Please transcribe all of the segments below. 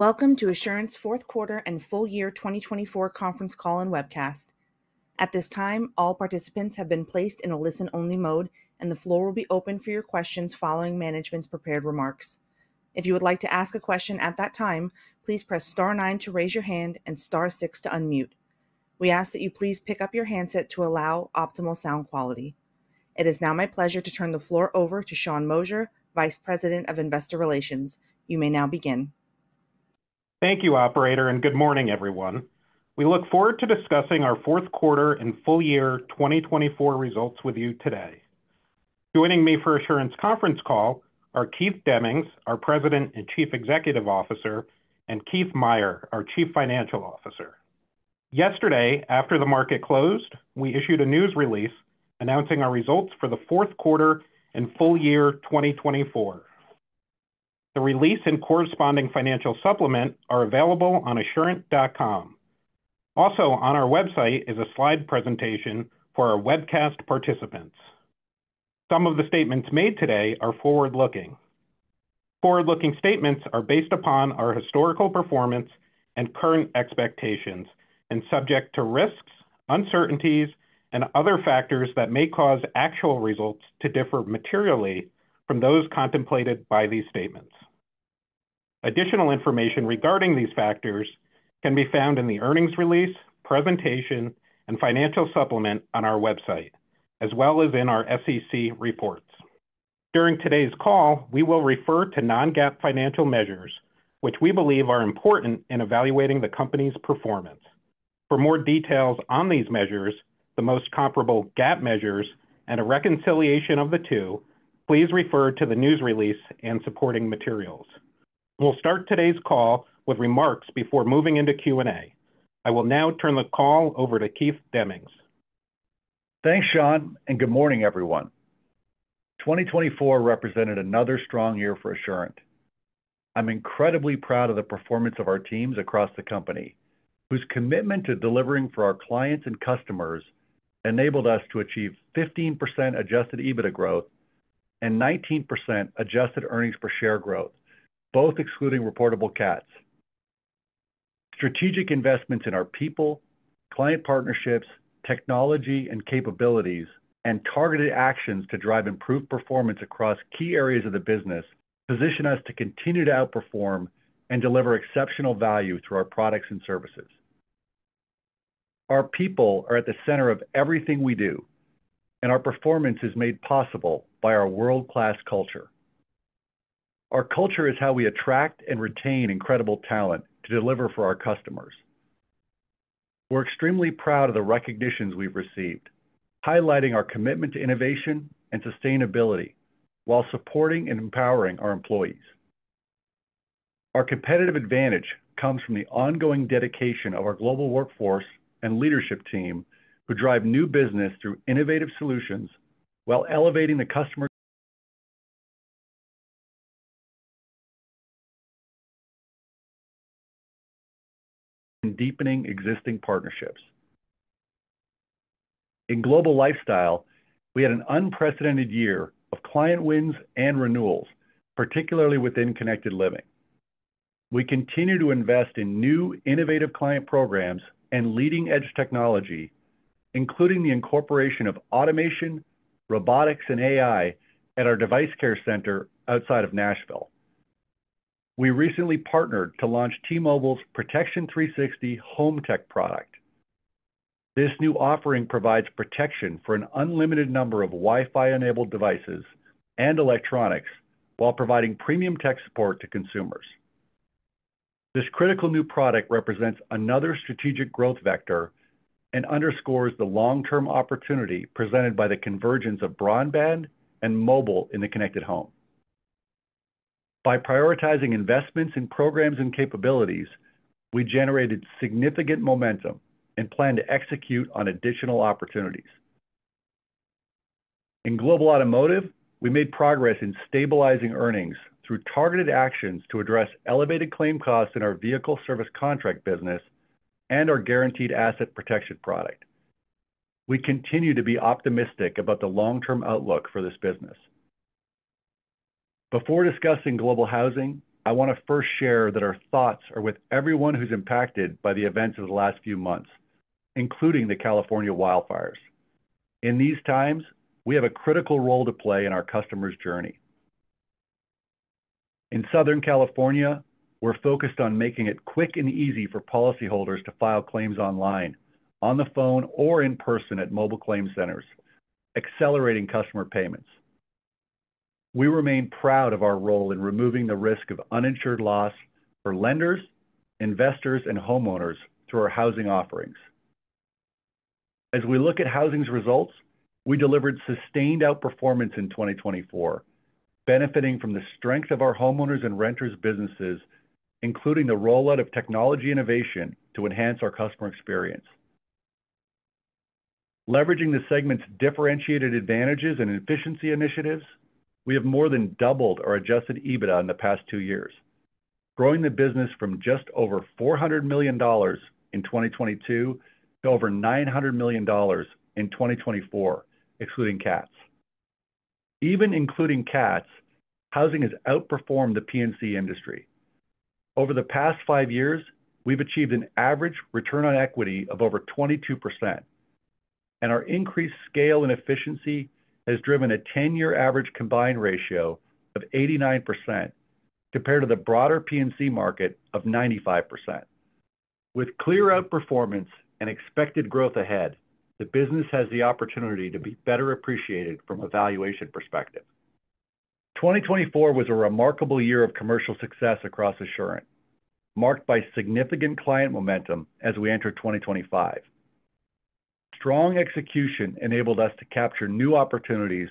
Welcome to Assurant's fourth quarter and full year 2024 conference call and webcast. At this time, all participants have been placed in a listen-only mode, and the floor will be open for your questions following management's prepared remarks. If you would like to ask a question at that time, please press star nine to raise your hand and star six to unmute. We ask that you please pick up your handset to allow optimal sound quality. It is now my pleasure to turn the floor over to Sean Moshier, Vice President of Investor Relations. You may now begin. Thank you, Operator, and good morning, everyone. We look forward to discussing our fourth quarter and full year 2024 results with you today. Joining me for Assurant's conference call are Keith Demmings, our President and Chief Executive Officer, and Keith Meier, our Chief Financial Officer. Yesterday, after the market closed, we issued a news release announcing our results for the fourth quarter and full year 2024. The release and corresponding financial supplement are available on assurant.com. Also, on our website is a slide presentation for our webcast participants. Some of the statements made today are forward-looking. Forward-looking statements are based upon our historical performance and current expectations and subject to risks, uncertainties, and other factors that may cause actual results to differ materially from those contemplated by these statements. Additional information regarding these factors can be found in the earnings release, presentation, and financial supplement on our website, as well as in our SEC reports. During today's call, we will refer to non-GAAP financial measures, which we believe are important in evaluating the company's performance. For more details on these measures, the most comparable GAAP measures, and a reconciliation of the two, please refer to the news release and supporting materials. We'll start today's call with remarks before moving into Q&A. I will now turn the call over to Keith Demmings. Thanks, Sean, and good morning, everyone. 2024 represented another strong year for Assurant. I'm incredibly proud of the performance of our teams across the company, whose commitment to delivering for our clients and customers enabled us to achieve 15% adjusted EBITDA growth and 19% adjusted earnings per share growth, both excluding reportable CATs. Strategic investments in our people, client partnerships, technology and capabilities, and targeted actions to drive improved performance across key areas of the business position us to continue to outperform and deliver exceptional value through our products and services. Our people are at the center of everything we do, and our performance is made possible by our world-class culture. Our culture is how we attract and retain incredible talent to deliver for our customers. We're extremely proud of the recognitions we've received, highlighting our commitment to innovation and sustainability while supporting and empowering our employees. Our competitive advantage comes from the ongoing dedication of our global workforce and leadership team, who drive new business through innovative solutions while elevating the customer and deepening existing partnerships. In Global Lifestyle, we had an unprecedented year of client wins and renewals, particularly within Connected Living. We continue to invest in new innovative client programs and leading-edge technology, including the incorporation of automation, robotics, and AI at our Device Care Center outside of Nashville. We recently partnered to launch T-Mobile's Protection 360 Home Tech product. This new offering provides protection for an unlimited number of Wi-Fi-enabled devices and electronics while providing premium tech support to consumers. This critical new product represents another strategic growth vector and underscores the long-term opportunity presented by the convergence of broadband and mobile in the connected home. By prioritizing investments in programs and capabilities, we generated significant momentum and plan to execute on additional opportunities. In Global Automotive, we made progress in stabilizing earnings through targeted actions to address elevated claim costs in our vehicle service contracts business and our guaranteed asset protection product. We continue to be optimistic about the long-term outlook for this business. Before discussing Global Housing, I want to first share that our thoughts are with everyone who's impacted by the events of the last few months, including the California wildfires. In these times, we have a critical role to play in our customers' journey. In Southern California, we're focused on making it quick and easy for policyholders to file claims online, on the phone, or in person at mobile claim centers, accelerating customer payments. We remain proud of our role in removing the risk of uninsured loss for lenders, investors, and homeowners through our housing offerings. As we look at housing's results, we delivered sustained outperformance in 2024, benefiting from the strength of our homeowners' and renters' businesses, including the rollout of technology innovation to enhance our customer experience. Leveraging the segment's differentiated advantages and efficiency initiatives, we have more than doubled our adjusted EBITDA in the past two years, growing the business from just over $400 million in 2022 to over $900 million in 2024, excluding CATs. Even including CATs, housing has outperformed the P&C industry. Over the past five years, we've achieved an average return on equity of over 22%, and our increased scale and efficiency has driven a 10-year average combined ratio of 89% compared to the broader P&C market of 95%. With clear outperformance and expected growth ahead, the business has the opportunity to be better appreciated from a valuation perspective. 2024 was a remarkable year of commercial success across Assurant, marked by significant client momentum as we enter 2025. Strong execution enabled us to capture new opportunities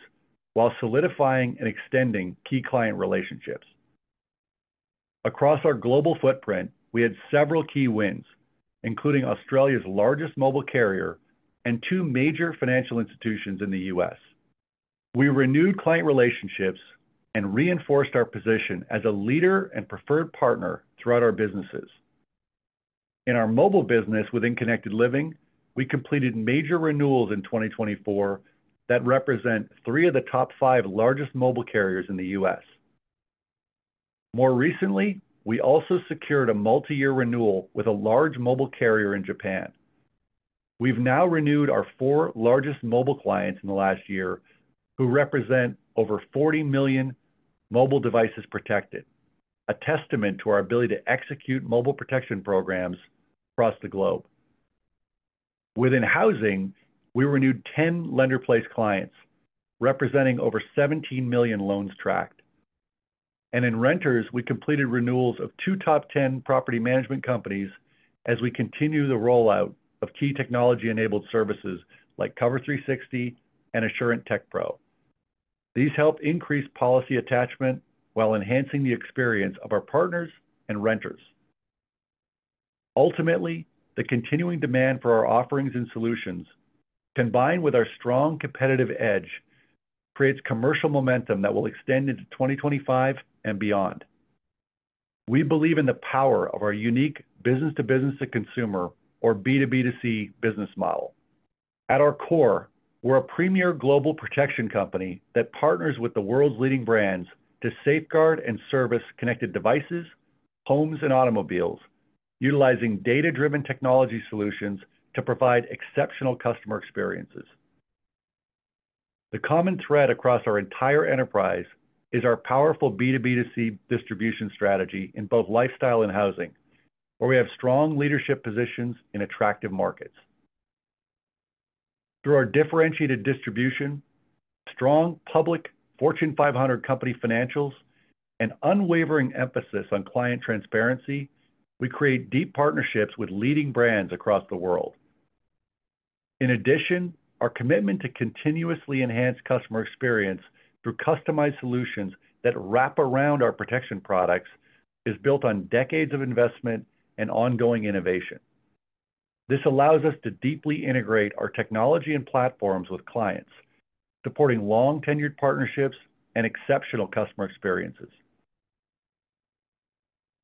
while solidifying and extending key client relationships. Across our global footprint, we had several key wins, including Australia's largest mobile carrier and two major financial institutions in the U.S. We renewed client relationships and reinforced our position as a leader and preferred partner throughout our businesses. In our mobile business within Connected Living, we completed major renewals in 2024 that represent three of the top five largest mobile carriers in the U.S. More recently, we also secured a multi-year renewal with a large mobile carrier in Japan. We've now renewed our four largest mobile clients in the last year, who represent over 40 million mobile devices protected, a testament to our ability to execute mobile protection programs across the globe. Within housing, we renewed 10 lender-placed clients, representing over 17 million loans tracked. And in renters, we completed renewals of two top 10 property management companies as we continue the rollout of key technology-enabled services like Cover360 and Assurant TechPro. These help increase policy attachment while enhancing the experience of our partners and renters. Ultimately, the continuing demand for our offerings and solutions, combined with our strong competitive edge, creates commercial momentum that will extend into 2025 and beyond. We believe in the power of our unique business-to-business-to-consumer, or B2B2C, business model. At our core, we're a premier global protection company that partners with the world's leading brands to safeguard and service connected devices, homes, and automobiles, utilizing data-driven technology solutions to provide exceptional customer experiences. The common thread across our entire enterprise is our powerful B2B2C distribution strategy in both lifestyle and housing, where we have strong leadership positions in attractive markets. Through our differentiated distribution, strong public Fortune 500 company financials, and unwavering emphasis on client transparency, we create deep partnerships with leading brands across the world. In addition, our commitment to continuously enhance customer experience through customized solutions that wrap around our protection products is built on decades of investment and ongoing innovation. This allows us to deeply integrate our technology and platforms with clients, supporting long-tenured partnerships and exceptional customer experiences.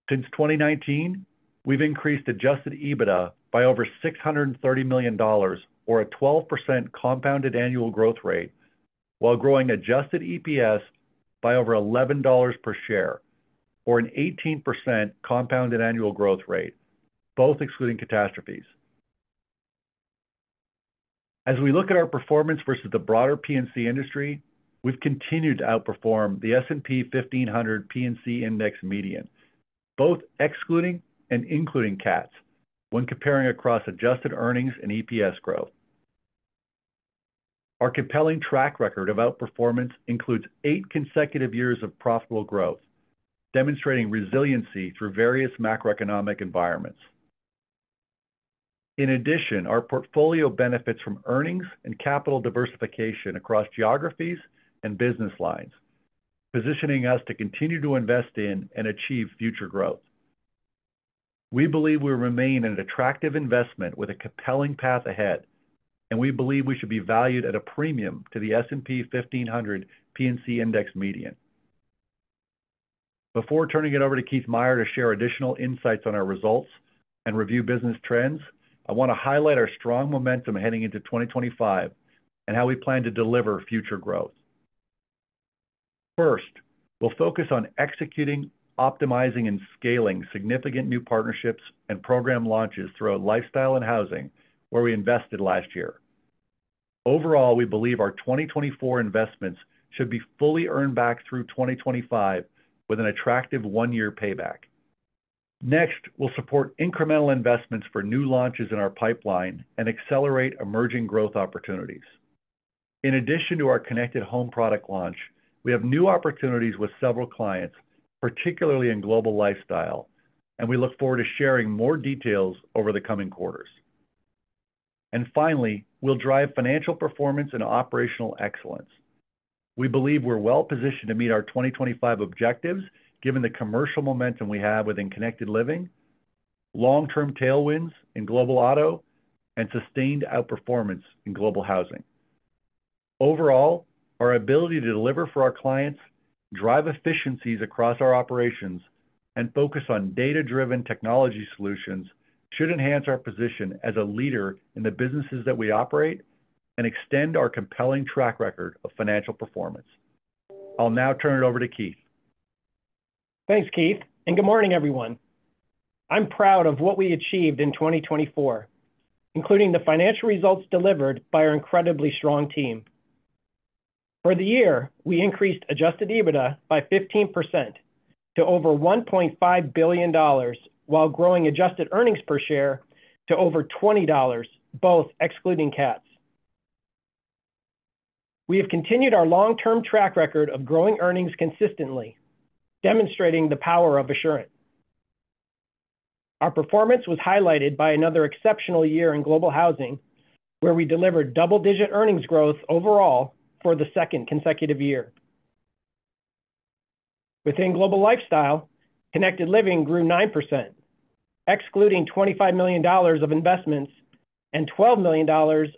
Since 2019, we've increased Adjusted EBITDA by over $630 million, or a 12% compounded annual growth rate, while growing Adjusted EPS by over $11 per share, or an 18% compounded annual growth rate, both excluding catastrophes. As we look at our performance versus the broader P&C industry, we've continued to outperform the S&P 1500 P&C Index median, both excluding and including CATs when comparing across adjusted earnings and EPS growth. Our compelling track record of outperformance includes eight consecutive years of profitable growth, demonstrating resiliency through various macroeconomic environments. In addition, our portfolio benefits from earnings and capital diversification across geographies and business lines, positioning us to continue to invest in and achieve future growth. We believe we remain an attractive investment with a compelling path ahead, and we believe we should be valued at a premium to the S&P 1500 P&C Index median. Before turning it over to Keith Meier to share additional insights on our results and review business trends, I want to highlight our strong momentum heading into 2025 and how we plan to deliver future growth. First, we'll focus on executing, optimizing, and scaling significant new partnerships and program launches throughout lifestyle and housing, where we invested last year. Overall, we believe our 2024 investments should be fully earned back through 2025 with an attractive one-year payback. Next, we'll support incremental investments for new launches in our pipeline and accelerate emerging growth opportunities. In addition to our connected home product launch, we have new opportunities with several clients, particularly in global lifestyle, and we look forward to sharing more details over the coming quarters. And finally, we'll drive financial performance and operational excellence. We believe we're well positioned to meet our 2025 objectives, given the commercial momentum we have within Connected Living, long-term tailwinds in Global Auto, and sustained outperformance in Global Housing. Overall, our ability to deliver for our clients, drive efficiencies across our operations, and focus on data-driven technology solutions should enhance our position as a leader in the businesses that we operate and extend our compelling track record of financial performance. I'll now turn it over to Keith. Thanks, Keith, and good morning, everyone. I'm proud of what we achieved in 2024, including the financial results delivered by our incredibly strong team. For the year, we increased adjusted EBITDA by 15% to over $1.5 billion, while growing adjusted earnings per share to over $20, both excluding CATs. We have continued our long-term track record of growing earnings consistently, demonstrating the power of Assurant. Our performance was highlighted by another exceptional year in Global Housing, where we delivered double-digit earnings growth overall for the second consecutive year. Within Global Lifestyle, Connected Living grew 9%, excluding $25 million of investments and $12 million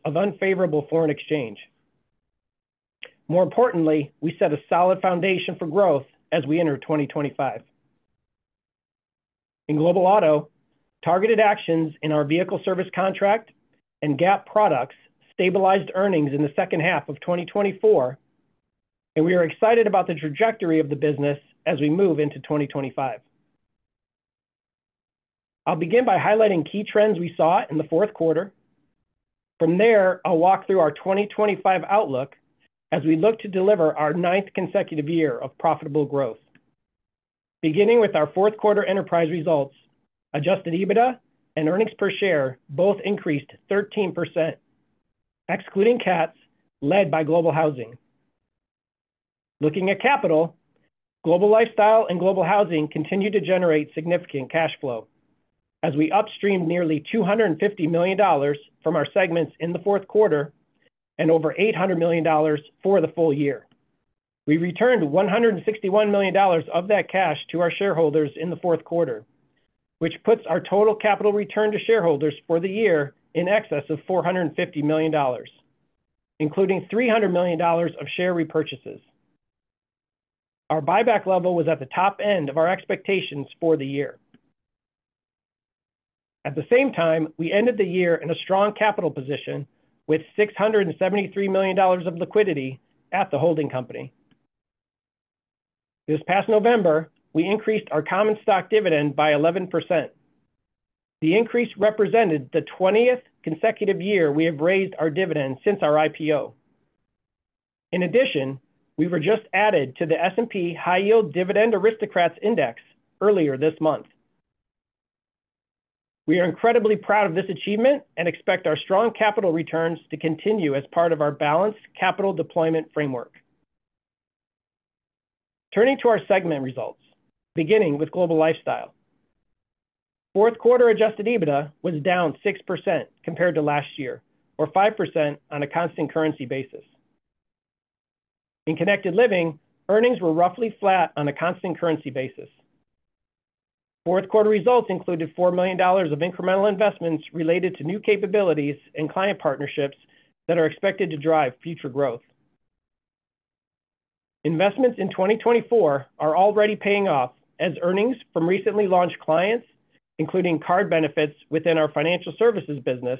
of unfavorable foreign exchange. More importantly, we set a solid foundation for growth as we enter 2025. In Global Auto, targeted actions in our vehicle service contract and GAP products stabilized earnings in the second half of 2024, and we are excited about the trajectory of the business as we move into 2025. I'll begin by highlighting key trends we saw in the fourth quarter. From there, I'll walk through our 2025 outlook as we look to deliver our ninth consecutive year of profitable growth. Beginning with our fourth quarter enterprise results, Adjusted EBITDA and earnings per share both increased 13%, excluding CATs led by Global Housing. Looking at capital, Global Lifestyle and Global Housing continued to generate significant cash flow as we upstreamed nearly $250 million from our segments in the fourth quarter and over $800 million for the full year. We returned $161 million of that cash to our shareholders in the fourth quarter, which puts our total capital return to shareholders for the year in excess of $450 million, including $300 million of share repurchases. Our buyback level was at the top end of our expectations for the year. At the same time, we ended the year in a strong capital position with $673 million of liquidity at the holding company. This past November, we increased our common stock dividend by 11%. The increase represented the 20th consecutive year we have raised our dividend since our IPO. In addition, we were just added to the S&P High Yield Dividend Aristocrats Index earlier this month. We are incredibly proud of this achievement and expect our strong capital returns to continue as part of our balanced capital deployment framework. Turning to our segment results, beginning with Global Lifestyle. Fourth quarter Adjusted EBITDA was down 6% compared to last year, or 5% on a constant currency basis. In Connected Living, earnings were roughly flat on a constant currency basis. Fourth quarter results included $4 million of incremental investments related to new capabilities and client partnerships that are expected to drive future growth. Investments in 2024 are already paying off as earnings from recently launched clients, including card benefits within our financial services business,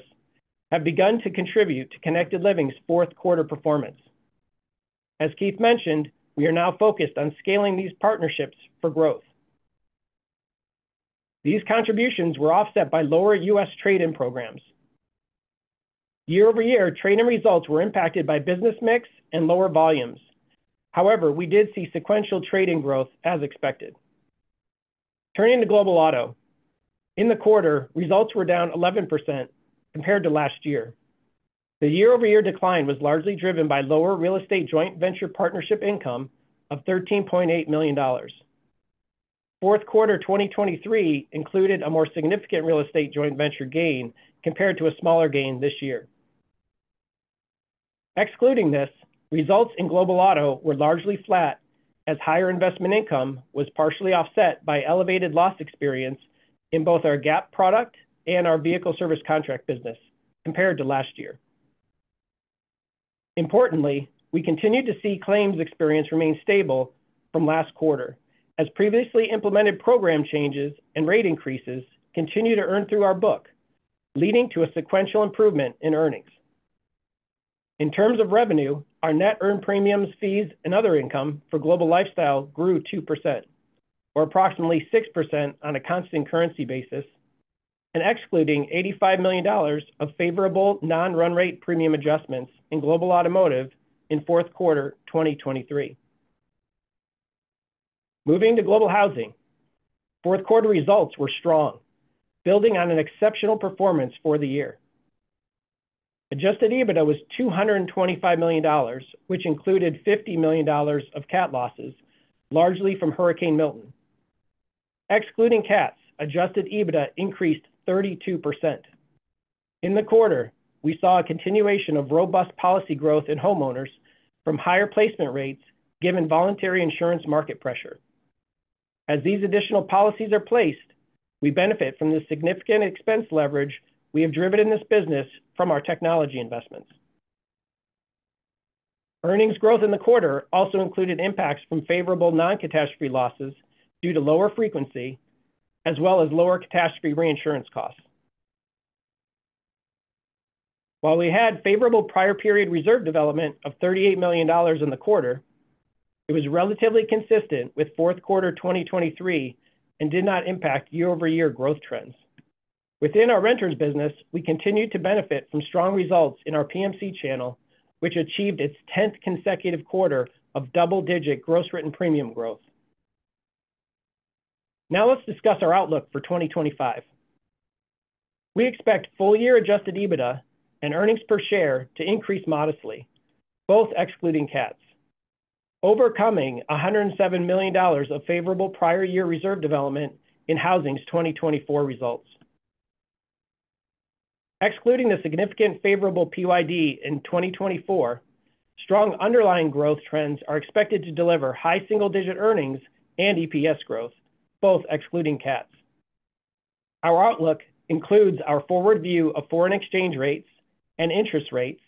have begun to contribute to Connected Living's fourth quarter performance. As Keith mentioned, we are now focused on scaling these partnerships for growth. These contributions were offset by lower U.S. trade-in programs. Year-over-year, trade-in results were impacted by business mix and lower volumes. However, we did see sequential trade-in growth as expected. Turning to Global Auto, in the quarter, results were down 11% compared to last year. The year-over-year decline was largely driven by lower real estate joint venture partnership income of $13.8 million. Fourth quarter 2023 included a more significant real estate joint venture gain compared to a smaller gain this year. Excluding this, results in Global Auto were largely flat as higher investment income was partially offset by elevated loss experience in both our GAP product and our vehicle service contract business compared to last year. Importantly, we continue to see claims experience remain stable from last quarter, as previously implemented program changes and rate increases continue to earn through our book, leading to a sequential improvement in earnings. In terms of revenue, our net earned premiums, fees, and other income for Global Lifestyle grew 2%, or approximately 6% on a constant currency basis, and excluding $85 million of favorable non-run rate premium adjustments in Global Automotive in fourth quarter 2023. Moving to Global Housing, fourth quarter results were strong, building on an exceptional performance for the year. Adjusted EBITDA was $225 million, which included $50 million of CAT losses, largely from Hurricane Milton. Excluding CATs, adjusted EBITDA increased 32%. In the quarter, we saw a continuation of robust policy growth in homeowners from higher placement rates given voluntary insurance market pressure. As these additional policies are placed, we benefit from the significant expense leverage we have driven in this business from our technology investments. Earnings growth in the quarter also included impacts from favorable non-catastrophe losses due to lower frequency, as well as lower catastrophe reinsurance costs. While we had favorable prior-period reserve development of $38 million in the quarter, it was relatively consistent with fourth quarter 2023 and did not impact year-over-year growth trends. Within our renters business, we continued to benefit from strong results in our PMC channel, which achieved its tenth consecutive quarter of double-digit gross written premium growth. Now let's discuss our outlook for 2025. We expect full-year adjusted EBITDA and earnings per share to increase modestly, both excluding CATs, overcoming $107 million of favorable prior-year reserve development in housing's 2024 results. Excluding the significant favorable PYD in 2024, strong underlying growth trends are expected to deliver high single-digit earnings and EPS growth, both excluding CATs. Our outlook includes our forward view of foreign exchange rates and interest rates,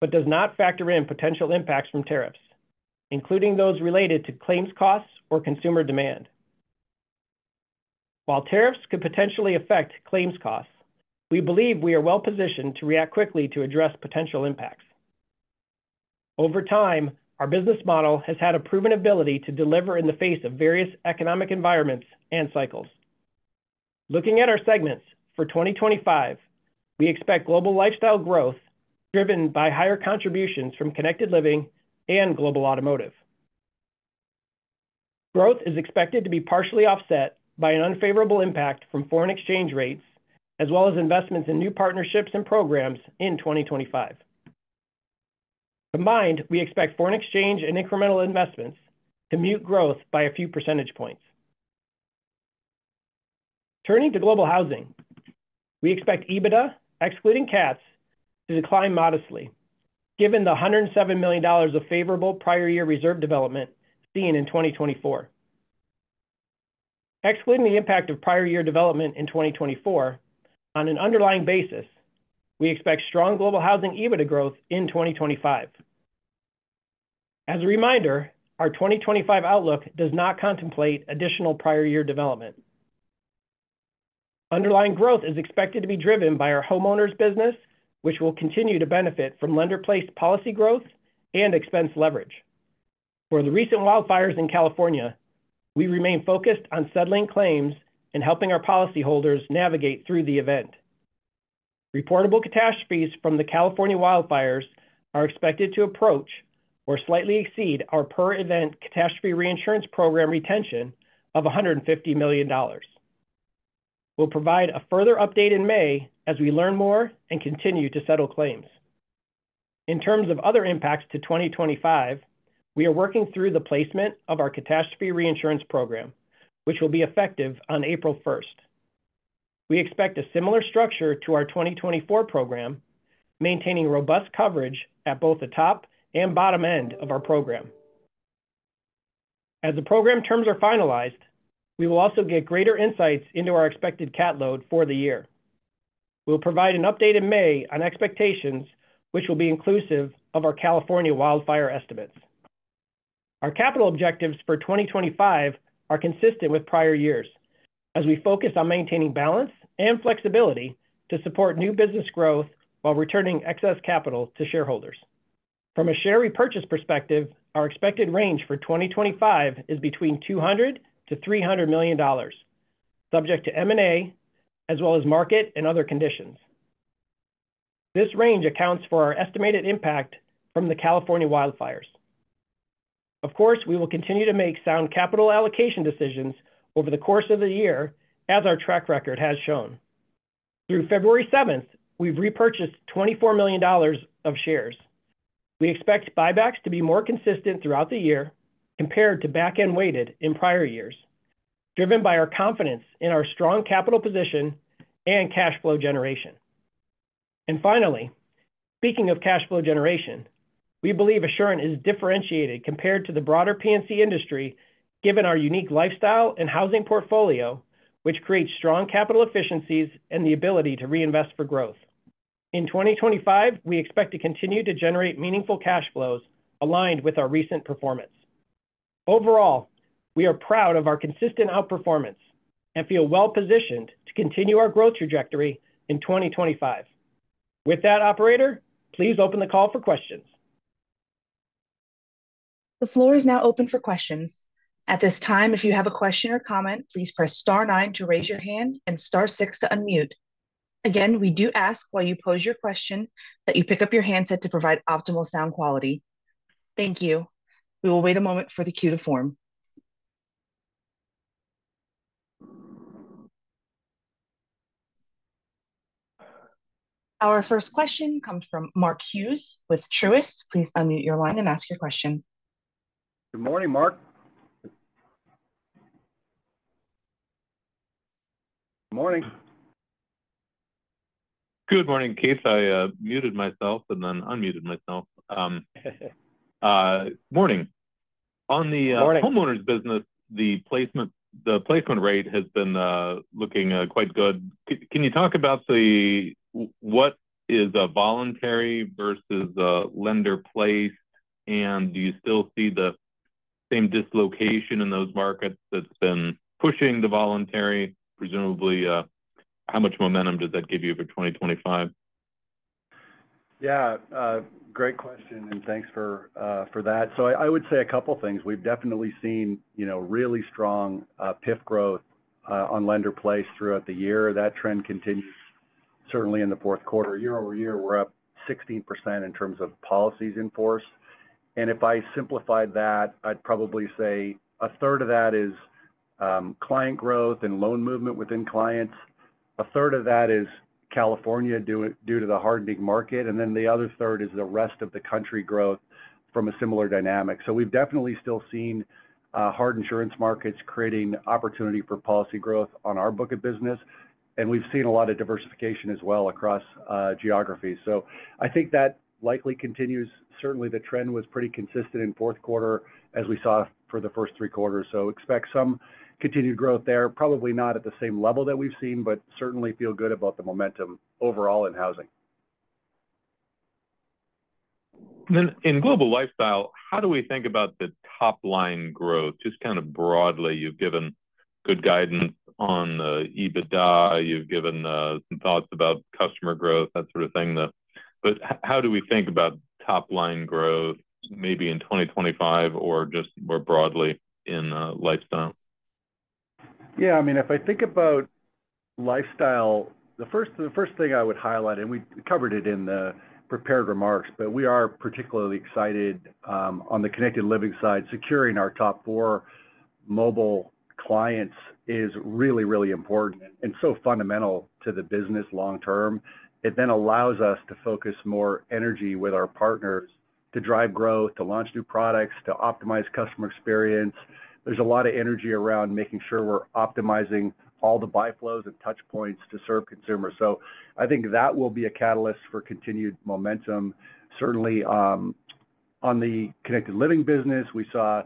but does not factor in potential impacts from tariffs, including those related to claims costs or consumer demand. While tariffs could potentially affect claims costs, we believe we are well positioned to react quickly to address potential impacts. Over time, our business model has had a proven ability to deliver in the face of various economic environments and cycles. Looking at our segments for 2025, we expect Global Lifestyle growth driven by higher contributions from Connected Living and Global Automotive. Growth is expected to be partially offset by an unfavorable impact from foreign exchange rates, as well as investments in new partnerships and programs in 2025. Combined, we expect foreign exchange and incremental investments to mute growth by a few percentage points. Turning to Global Housing, we expect EBITDA, excluding CATs, to decline modestly, given the $107 million of favorable prior-year reserve development seen in 2024. Excluding the impact of prior-year development in 2024, on an underlying basis, we expect strong Global Housing EBITDA growth in 2025. As a reminder, our 2025 outlook does not contemplate additional prior-year development. Underlying growth is expected to be driven by our homeowners business, which will continue to benefit from lender-placed policy growth and expense leverage. For the recent wildfires in California, we remain focused on settling claims and helping our policyholders navigate through the event. Reportable catastrophes from the California wildfires are expected to approach or slightly exceed our per-event catastrophe reinsurance program retention of $150 million. We'll provide a further update in May as we learn more and continue to settle claims. In terms of other impacts to 2025, we are working through the placement of our catastrophe reinsurance program, which will be effective on April 1st. We expect a similar structure to our 2024 program, maintaining robust coverage at both the top and bottom end of our program. As the program terms are finalized, we will also get greater insights into our expected CAT load for the year. We'll provide an update in May on expectations, which will be inclusive of our California wildfire estimates. Our capital objectives for 2025 are consistent with prior years, as we focus on maintaining balance and flexibility to support new business growth while returning excess capital to shareholders. From a share repurchase perspective, our expected range for 2025 is between $200 million-$300 million, subject to M&A, as well as market and other conditions. This range accounts for our estimated impact from the California wildfires. Of course, we will continue to make sound capital allocation decisions over the course of the year, as our track record has shown. Through February 7th, we've repurchased $24 million of shares. We expect buybacks to be more consistent throughout the year compared to back-end weighted in prior years, driven by our confidence in our strong capital position and cash flow generation. Finally, speaking of cash flow generation, we believe Assurant is differentiated compared to the broader P&C industry, given our unique lifestyle and housing portfolio, which creates strong capital efficiencies and the ability to reinvest for growth. In 2025, we expect to continue to generate meaningful cash flows aligned with our recent performance. Overall, we are proud of our consistent outperformance and feel well positioned to continue our growth trajectory in 2025. With that, Operator, please open the call for questions. The floor is now open for questions. At this time, if you have a question or comment, please press star nine to raise your hand and star six to unmute. Again, we do ask while you pose your question that you pick up your handset to provide optimal sound quality. Thank you. We will wait a moment for the queue to form. Our first question comes from Mark Hughes with Truist. Please unmute your line and ask your question. Good morning, Mark. Good morning. Good morning, Keith. I muted myself and then unmuted myself. Morning. On the homeowners business, the placement rate has been looking quite good. Can you talk about what is a voluntary versus a lender-placed, and do you still see the same dislocation in those markets that's been pushing the voluntary? Presumably, how much momentum does that give you for 2025? Yeah, great question, and thanks for that. So I would say a couple of things. We've definitely seen really strong PIF growth on lender-placed throughout the year. That trend continues, certainly in the fourth quarter. Year-over-year, we're up 16% in terms of policies in force. And if I simplified that, I'd probably say a third of that is client growth and loan movement within clients. A third of that is California due to the hardening market, and then the other third is the rest of the country growth from a similar dynamic. So we've definitely still seen hard insurance markets creating opportunity for policy growth on our book of business, and we've seen a lot of diversification as well across geographies. So I think that likely continues. Certainly, the trend was pretty consistent in fourth quarter as we saw for the first three quarters. So expect some continued growth there, probably not at the same level that we've seen, but certainly feel good about the momentum overall in Housing. In Global Lifestyle, how do we think about the top-line growth? Just kind of broadly, you've given good guidance on EBITDA, you've given some thoughts about customer growth, that sort of thing. But how do we think about top-line growth maybe in 2025 or just more broadly in lifestyle? Yeah, I mean, if I think about lifestyle, the first thing I would highlight, and we covered it in the prepared remarks, but we are particularly excited on the connected living side. Securing our top four mobile clients is really, really important and so fundamental to the business long term. It then allows us to focus more energy with our partners to drive growth, to launch new products, to optimize customer experience. There's a lot of energy around making sure we're optimizing all the buy flows and touch points to serve consumers. So I think that will be a catalyst for continued momentum. Certainly, on the connected living business, we saw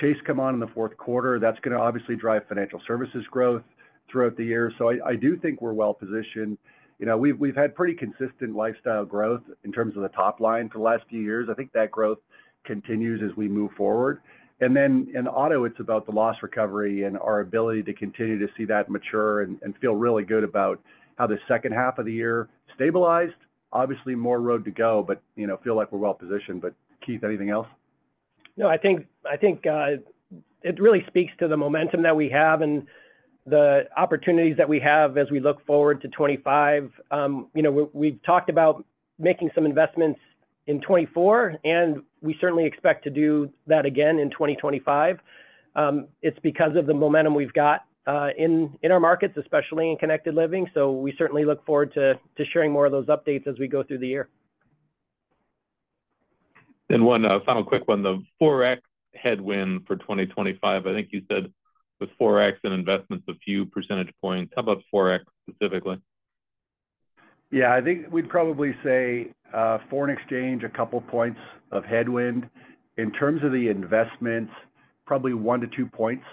Chase come on in the fourth quarter. That's going to obviously drive financial services growth throughout the year. So I do think we're well positioned. We've had pretty consistent lifestyle growth in terms of the top line for the last few years. I think that growth continues as we move forward. And then in auto, it's about the loss recovery and our ability to continue to see that mature and feel really good about how the second half of the year stabilized. Obviously, more road to go, but feel like we're well positioned. But Keith, anything else? No, I think it really speaks to the momentum that we have and the opportunities that we have as we look forward to 2025. We've talked about making some investments in 2024, and we certainly expect to do that again in 2025. It's because of the momentum we've got in our markets, especially in Connected Living. So we certainly look forward to sharing more of those updates as we go through the year. And one final quick one, the 4x headwind for 2025, I think you said with 4x in investments, a few percentage points. How about 4x specifically? Yeah, I think we'd probably say foreign exchange, a couple points of headwind. In terms of the investments, probably one to two points.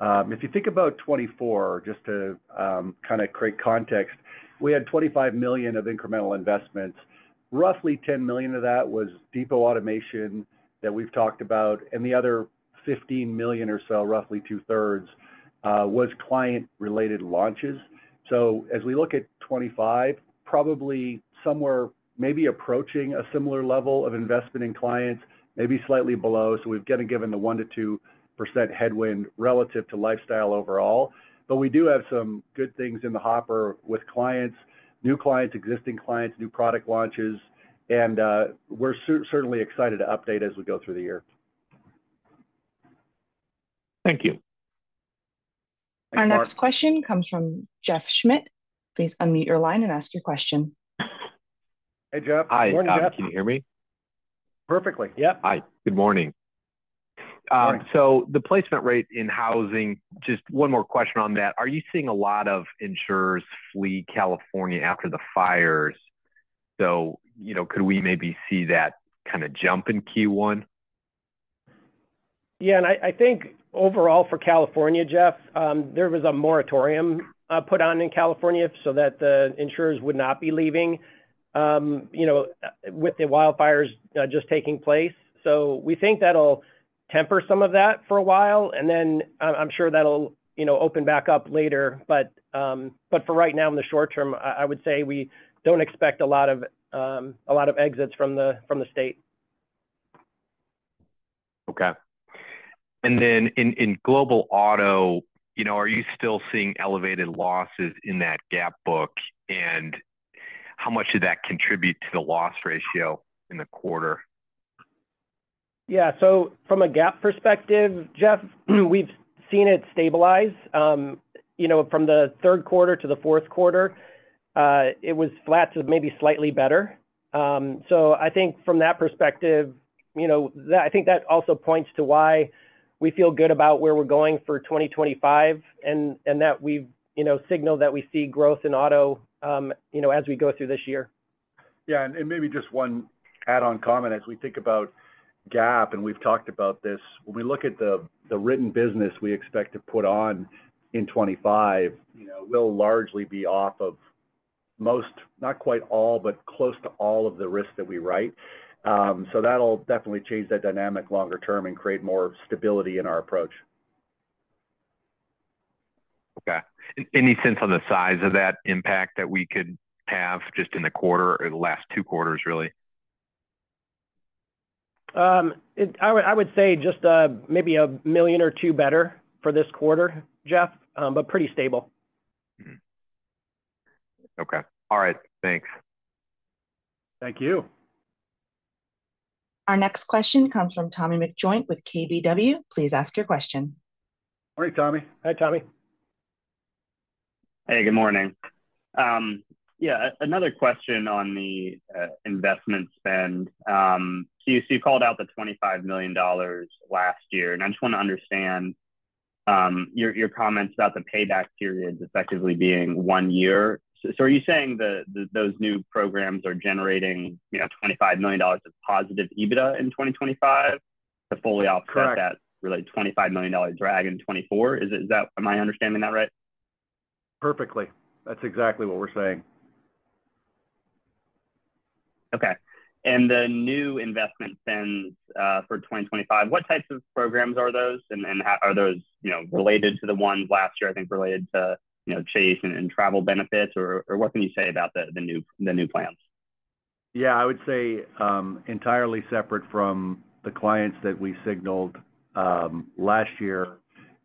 If you think about 2024, just to kind of create context, we had $25 million of incremental investments. Roughly $10 million of that was depot automation that we've talked about, and the other $15 million or so, roughly two-thirds, was client-related launches. So as we look at 2025, probably somewhere maybe approaching a similar level of investment in clients, maybe slightly below. So we've got to give them the 1%-2% headwind relative to lifestyle overall. But we do have some good things in the hopper with clients, new clients, existing clients, new product launches, and we're certainly excited to update as we go through the year. Thank you. Our next question comes from Jeff Schmitt. Please unmute your line and ask your question. Hey, Jeff. Good morning, Jeff. Can you hear me? Perfectly. Yep. Hi. Good morning. So the placement rate in housing, just one more question on that. Are you seeing a lot of insurers flee California after the fires? So could we maybe see that kind of jump in Q1? Yeah, and I think overall for California, Jeff, there was a moratorium put on in California so that the insurers would not be leaving with the wildfires just taking place. So we think that'll temper some of that for a while, and then I'm sure that'll open back up later. But for right now, in the short term, I would say we don't expect a lot of exits from the state. Okay. And then in Global Auto, are you still seeing elevated losses in that GAP book, and how much did that contribute to the loss ratio in the quarter? Yeah. So from a GAP perspective, Jeff, we've seen it stabilize. From the third quarter to the fourth quarter, it was flat to maybe slightly better. So I think from that perspective, I think that also points to why we feel good about where we're going for 2025 and that we've signaled that we see growth in auto as we go through this year. Yeah. And maybe just one add-on comment as we think about GAP, and we've talked about this. When we look at the written business we expect to put on in 2025, we'll largely be off of most, not quite all, but close to all of the risks that we write. So that'll definitely change that dynamic longer term and create more stability in our approach. Okay. Any sense on the size of that impact that we could have just in the quarter or the last two quarters, really? I would say just maybe a million or two better for this quarter, Jeff, but pretty stable. Okay. All right. Thanks. Thank you. Our next question comes from Tommy McJoynt with KBW. Please ask your question. All right, Tommy. Hi, Tommy. Hey, good morning. Yeah. Another question on the investment spend. So you called out the $25 million last year, and I just want to understand your comments about the payback period effectively being one year. So are you saying that those new programs are generating $25 million of positive EBITDA in 2025 to fully offset that $25 million drag in 2024? Am I understanding that right? Perfectly. That's exactly what we're saying. Okay. And the new investment spends for 2025, what types of programs are those, and are those related to the ones last year, I think related to Chase and travel benefits, or what can you say about the new plans? Yeah, I would say entirely separate from the clients that we signaled last year.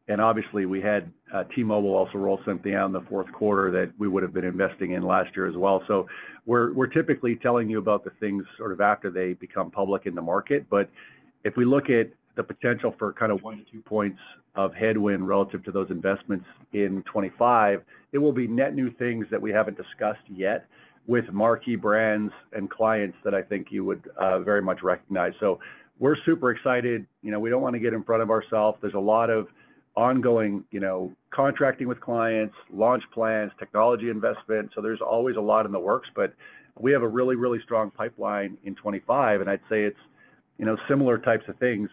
And obviously, we had T-Mobile also roll something out in the fourth quarter that we would have been investing in last year as well. So we're typically telling you about the things sort of after they become public in the market. But if we look at the potential for kind of one to two points of headwind relative to those investments in 2025, it will be net new things that we haven't discussed yet with marquee brands and clients that I think you would very much recognize. So we're super excited. We don't want to get in front of ourselves. There's a lot of ongoing contracting with clients, launch plans, technology investment. So there's always a lot in the works, but we have a really, really strong pipeline in 2025, and I'd say it's similar types of things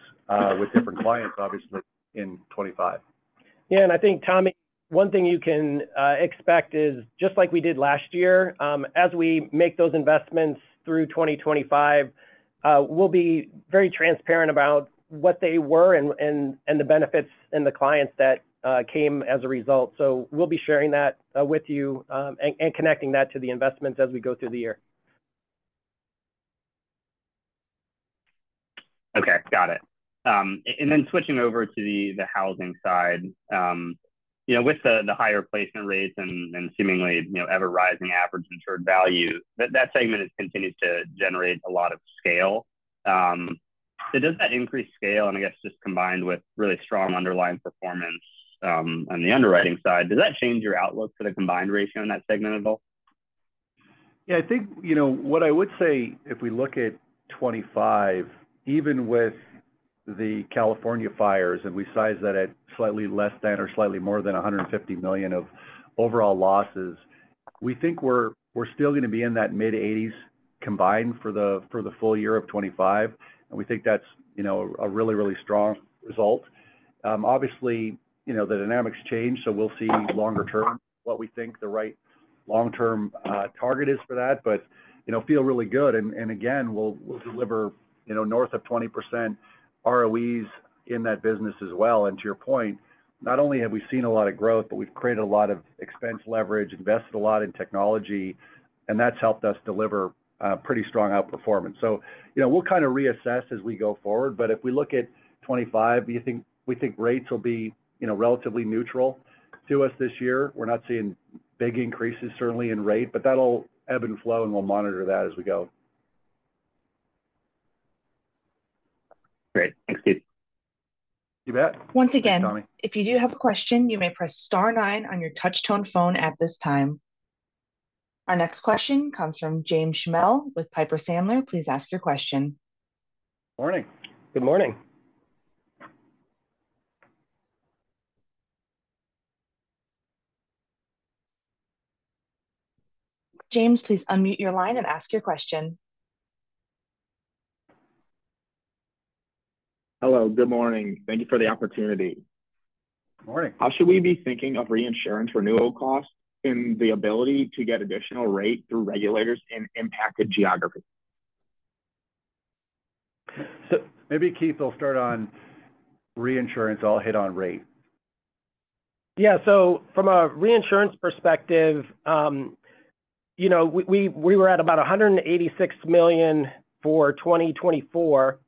with different clients, obviously, in 2025. Yeah. And I think, Tommy, one thing you can expect is just like we did last year, as we make those investments through 2025, we'll be very transparent about what they were and the benefits and the clients that came as a result. So we'll be sharing that with you and connecting that to the investments as we go through the year. Okay. Got it. And then switching over to the housing side, with the higher placement rates and seemingly ever-rising average insured value, that segment continues to generate a lot of scale. Does that increased scale, and I guess just combined with really strong underlying performance on the underwriting side, does that change your outlook for the combined ratio in that segment at all? Yeah. I think what I would say, if we look at 2025, even with the California fires, and we size that at slightly less than or slightly more than $150 million of overall losses, we think we're still going to be in that mid-80s combined for the full year of 2025, and we think that's a really, really strong result. Obviously, the dynamics change, so we'll see longer term what we think the right long-term target is for that, but feel really good, and again, we'll deliver north of 20% ROEs in that business as well, and to your point, not only have we seen a lot of growth, but we've created a lot of expense leverage, invested a lot in technology, and that's helped us deliver pretty strong outperformance, so we'll kind of reassess as we go forward, but if we look at 2025, we think rates will be relatively neutral to us this year. We're not seeing big increases, certainly, in rate, but that'll ebb and flow, and we'll monitor that as we go. Great. Thanks, Keith. You bet. Once again, if you do have a question, you may press star nine on your touchtone phone at this time. Our next question comes from James Schammel with Piper Sandler. Please ask your question. Morning. Good morning. James, please unmute your line and ask your question. Hello. Good morning. Thank you for the opportunity. Morning. How should we be thinking of reinsurance renewal costs and the ability to get additional rate through regulators in impacted geography? So maybe, Keith, I'll start on reinsurance. I'll hit on rate. Yeah. So from a reinsurance perspective, we were at about $186 million for 2024.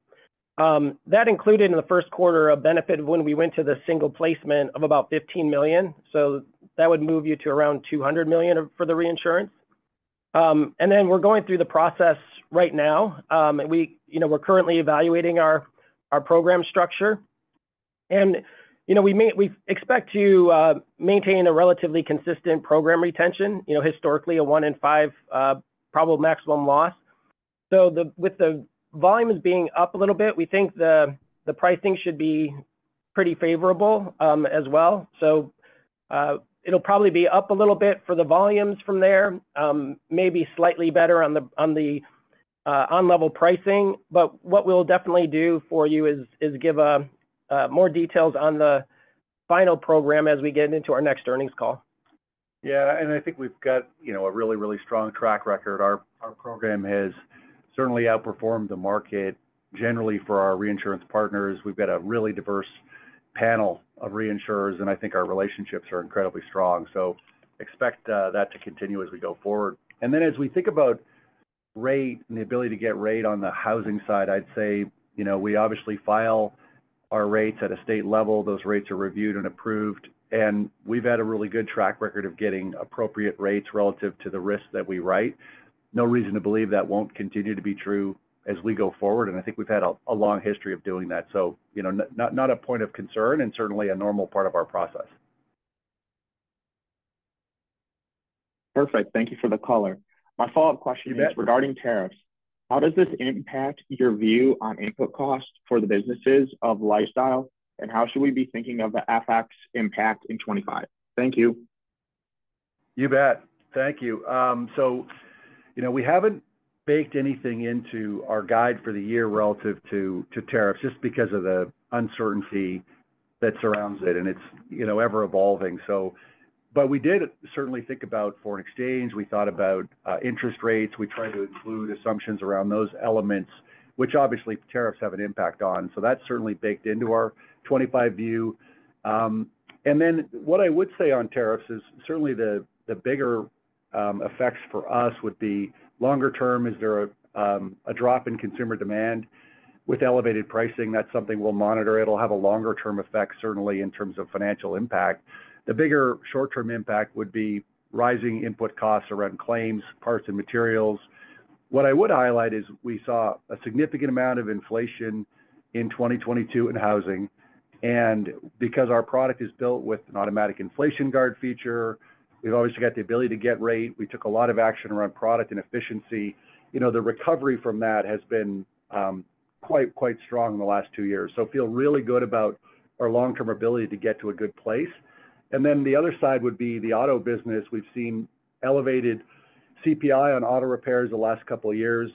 That included in the first quarter a benefit when we went to the single placement of about $15 million. So that would move you to around $200 million for the reinsurance. And then we're going through the process right now. We're currently evaluating our program structure, and we expect to maintain a relatively consistent program retention, historically a one in five probable maximum loss. So with the volumes being up a little bit, we think the pricing should be pretty favorable as well. So it'll probably be up a little bit for the volumes from there, maybe slightly better on the on-level pricing. But what we'll definitely do for you is give more details on the final program as we get into our next earnings call. Yeah. And I think we've got a really, really strong track record. Our program has certainly outperformed the market generally for our reinsurance partners. We've got a really diverse panel of reinsurers, and I think our relationships are incredibly strong. So expect that to continue as we go forward. And then as we think about rate and the ability to get rate on the housing side, I'd say we obviously file our rates at a state level. Those rates are reviewed and approved, and we've had a really good track record of getting appropriate rates relative to the risks that we write. No reason to believe that won't continue to be true as we go forward, and I think we've had a long history of doing that. So not a point of concern and certainly a normal part of our process. Perfect. Thank you for the color. My follow-up question is regarding tariffs. How does this impact your view on input costs for the businesses of Lifestyle, and how should we be thinking of the effect's impact in 2025? Thank you. You bet. Thank you. So we haven't baked anything into our guide for the year relative to tariffs just because of the uncertainty that surrounds it, and it's ever-evolving. But we did certainly think about foreign exchange. We thought about interest rates. We tried to include assumptions around those elements, which obviously tariffs have an impact on. So that's certainly baked into our 2025 view. And then what I would say on tariffs is certainly the bigger effects for us would be longer term. Is there a drop in consumer demand with elevated pricing? That's something we'll monitor. It'll have a longer-term effect, certainly, in terms of financial impact. The bigger short-term impact would be rising input costs around claims, parts, and materials. What I would highlight is we saw a significant amount of inflation in 2022 in Housing. And because our product is built with an automatic Inflation Guard feature, we've obviously got the ability to get rate. We took a lot of action around product and efficiency. The recovery from that has been quite strong in the last two years. So feel really good about our long-term ability to get to a good place. And then the other side would be the auto business. We've seen elevated CPI on auto repairs the last couple of years.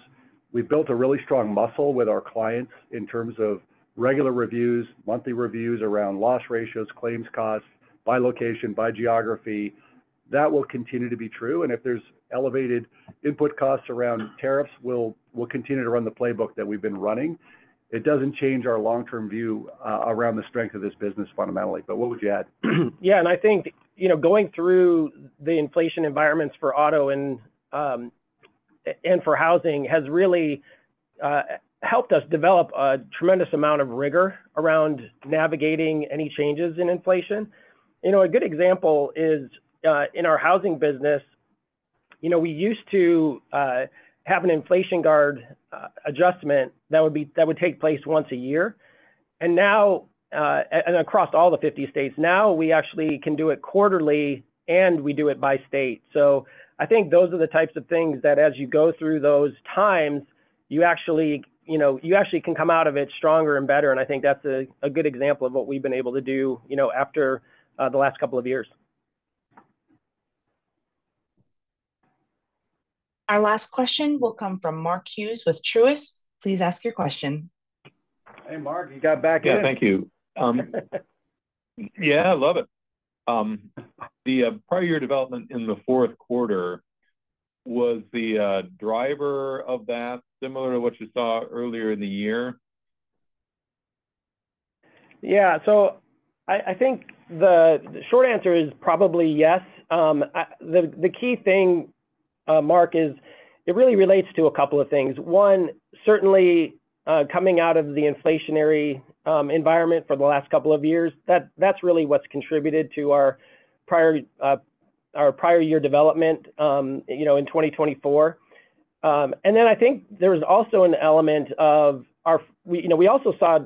We've built a really strong muscle with our clients in terms of regular reviews, monthly reviews around loss ratios, claims costs, by location, by geography. That will continue to be true. And if there's elevated input costs around tariffs, we'll continue to run the playbook that we've been running. It doesn't change our long-term view around the strength of this business fundamentally. But what would you add? Yeah. And I think going through the inflation environments for auto and for housing has really helped us develop a tremendous amount of rigor around navigating any changes in inflation. A good example is in our housing business. We used to have an Inflation Guard adjustment that would take place once a year, and across all the 50 states, now we actually can do it quarterly, and we do it by state. So I think those are the types of things that as you go through those times, you actually can come out of it stronger and better, and I think that's a good example of what we've been able to do after the last couple of years. Our last question will come from Mark Hughes with Truist. Please ask your question. Hey, Mark. You got back in. Yeah. Thank you. Yeah. I love it. The prior year development in the fourth quarter, was the driver of that similar to what you saw earlier in the year? Yeah. So I think the short answer is probably yes. The key thing, Mark, is it really relates to a couple of things. One, certainly coming out of the inflationary environment for the last couple of years, that's really what's contributed to our prior year development in 2024. And then I think there's also an element of we also saw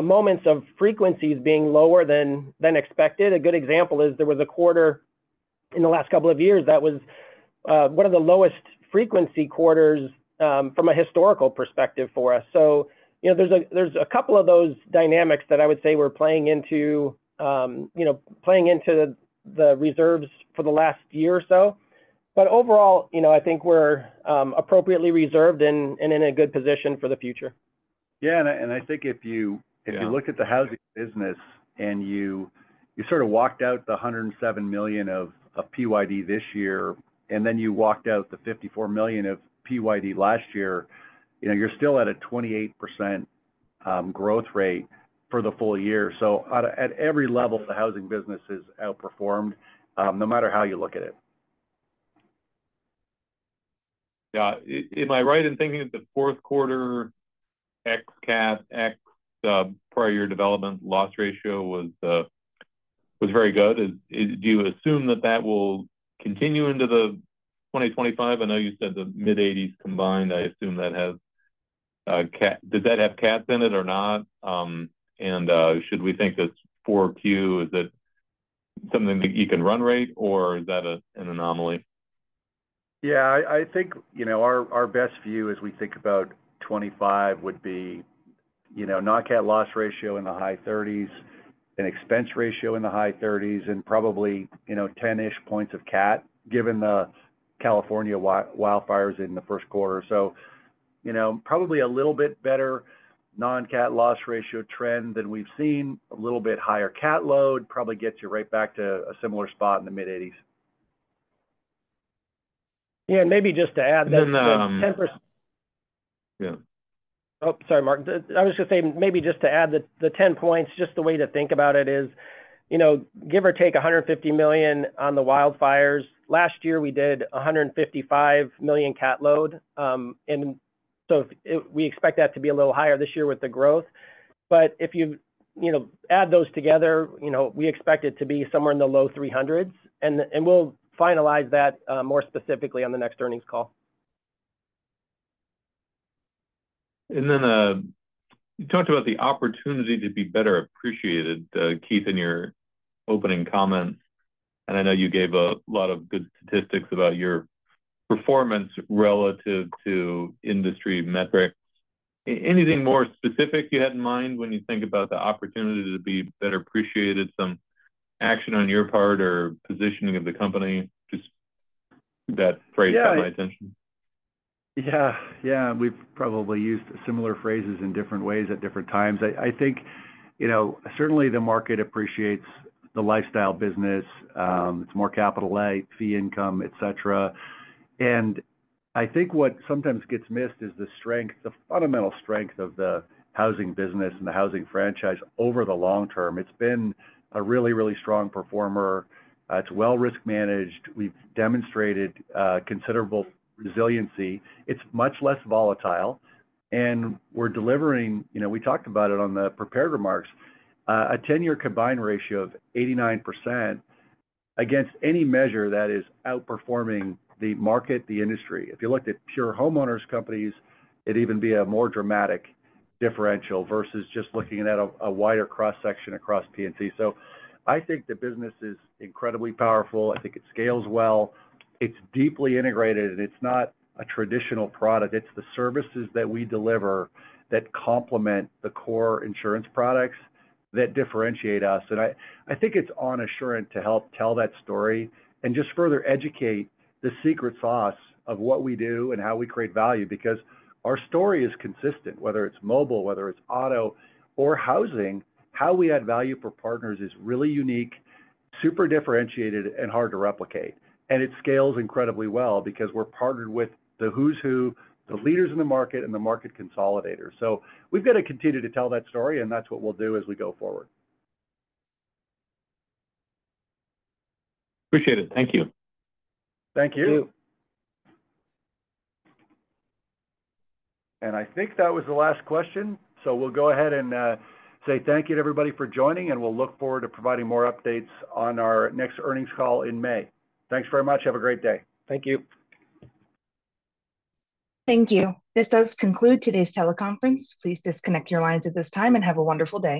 moments of frequencies being lower than expected. A good example is there was a quarter in the last couple of years that was one of the lowest frequency quarters from a historical perspective for us. So there's a couple of those dynamics that I would say we're playing into the reserves for the last year or so. But overall, I think we're appropriately reserved and in a good position for the future. Yeah. I think if you looked at the housing business and you sort of walked out the $107 million of PYD this year, and then you walked out the $54 million of PYD last year, you're still at a 28% growth rate for the full year. At every level, the housing business has outperformed no matter how you look at it. Yeah. Am I right in thinking that the fourth quarter ex-CAT, ex-prior year development loss ratio was very good? Do you assume that that will continue into 2025? I know you said the mid-80s combined. I assume that. Does that have CATs in it or not? And should we think that's 4Q? Is it something that you can run rate, or is that an anomaly? Yeah. I think our best view as we think about 2025 would be non-cat loss ratio in the high 30s, an expense ratio in the high 30s, and probably 10-ish points of CAT given the California wildfires in the first quarter. So probably a little bit better non-CAT loss ratio trend than we've seen, a little bit higher CAT load, probably gets you right back to a similar spot in the mid-80s. Yeah, and maybe just to add that 10%. Yeah. Oh, sorry, Mark. I was going to say maybe just to add the 10 points, just the way to think about it is give or take $150 million on the wildfires. Last year, we did $155 million CAT load. And so we expect that to be a little higher this year with the growth. But if you add those together, we expect it to be somewhere in the low $300s. And we'll finalize that more specifically on the next earnings call. And then you talked about the opportunity to be better appreciated, Keith, in your opening comments. And I know you gave a lot of good statistics about your performance relative to industry metrics. Anything more specific you had in mind when you think about the opportunity to be better appreciated, some action on your part or positioning of the company? Just that phrase caught my attention. Yeah. Yeah. We've probably used similar phrases in different ways at different times. I think certainly the market appreciates the lifestyle business. It's more capital A, fee income, etc. And I think what sometimes gets missed is the strength, the fundamental strength of the housing business and the housing franchise over the long term. It's been a really, really strong performer. It's well risk-managed. We've demonstrated considerable resiliency. It's much less volatile. And we're delivering, we talked about it on the prepared remarks, a 10-year combined ratio of 89% against any measure that is outperforming the market, the industry. If you looked at pure homeowners companies, it'd even be a more dramatic differential versus just looking at a wider cross-section across P&C. So I think the business is incredibly powerful. I think it scales well. It's deeply integrated. And it's not a traditional product. It's the services that we deliver that complement the core insurance products that differentiate us. And I think it's on Assurant to help tell that story and just further educate the secret sauce of what we do and how we create value because our story is consistent. Whether it's mobile, whether it's auto, or housing, how we add value for partners is really unique, super differentiated, and hard to replicate. And it scales incredibly well because we're partnered with the who's who, the leaders in the market, and the market consolidators. So we've got to continue to tell that story, and that's what we'll do as we go forward. Appreciate it. Thank you. Thank you. And I think that was the last question. So we'll go ahead and say thank you to everybody for joining, and we'll look forward to providing more updates on our next earnings call in May. Thanks very much. Have a great day. Thank you. Thank you. This does conclude today's teleconference. Please disconnect your lines at this time and have a wonderful day.